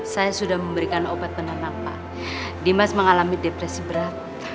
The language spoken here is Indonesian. saya sudah memberikan obat penenang pak dimas mengalami depresi berat